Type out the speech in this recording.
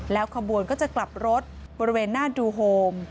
ขบวนก็จะกลับรถบริเวณหน้าดูโฮม